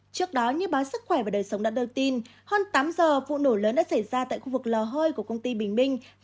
trước đó như báo sức khỏe và đời sống đã đưa tin hơn tám giờ vụ nổ lớn đã xảy ra tại khu vực lò hơi của công ty bình minh